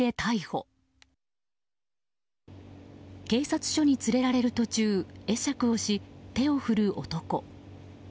警察署に取れられる途中会釈をし、手を振る男。